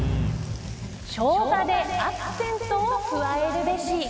ショウガでアクセントを加えるべし。